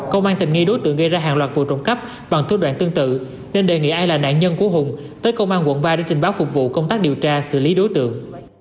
công an tình nghi đối tượng gây ra hàng loạt vụ trộm cắp bằng thuốc đoạn tương tự nên đề nghị ai là nạn nhân của hùng tới công an quận ba để trình báo phục vụ công tác điều tra xử lý đối tượng